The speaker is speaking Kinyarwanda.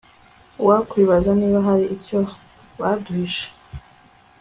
uwakwibaza niba hari icyo baduhishe